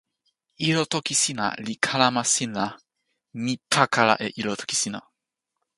ilo toki sina li kalama sin la mi pakala e ilo toki sina.